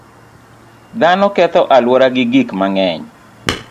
Dhano ketho alwora gi gik mang'eny.